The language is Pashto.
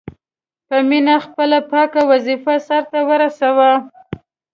په مینه خپله پاکه وظیفه سرته ورسوي.